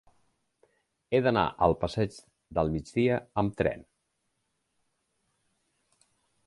He d'anar al passeig del Migdia amb tren.